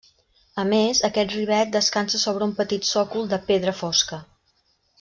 A més, aquest rivet descansa sobre un petit sòcol de pedra fosca.